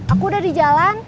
aku udah di jalan